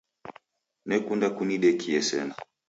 Nekunda kunidekie sena.